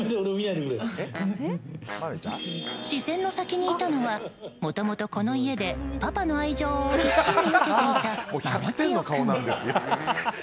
視線の先にいたのはもともと、この家でパパの愛情を一身に受けていた豆千代君。